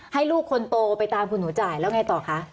ลูกคนโตไปตามคุณหนูจ่ายแล้วไงต่อคะ